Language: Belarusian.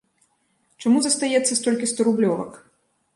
Чаму застаецца столькі сторублёвак?